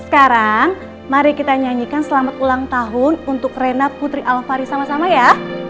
sekarang mari kita nyanyikan selamat ulang tahun untuk rena putri alfari sama sama ya